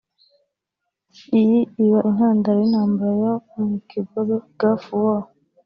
iyi iba intandaro y’intambara yo mu kigobe(Gulf War)